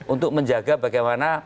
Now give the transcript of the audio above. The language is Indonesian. untuk menjaga bagaimana